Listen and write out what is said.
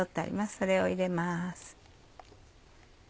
それを入れます。